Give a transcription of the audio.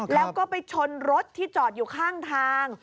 แล้วก็ไปชนรถที่จอดอยู่ข้างทาง